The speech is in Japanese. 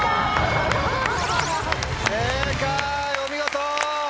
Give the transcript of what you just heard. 正解お見事！